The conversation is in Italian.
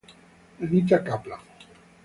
Anita Kaplan